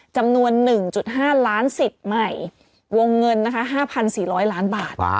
จำนวน๑๕ล้านสิทธิ์ใหม่วงเงินนะคะ๕๔๐๐ล้านบาท